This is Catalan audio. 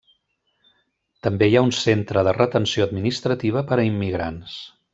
També hi ha un centre de retenció administrativa per a immigrants.